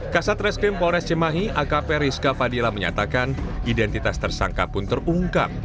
kasat reskrim polres cimahi akp rizka fadila menyatakan identitas tersangka pun terungkap